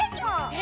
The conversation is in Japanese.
え？